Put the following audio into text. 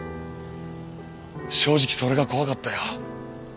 正直それが怖かったよ。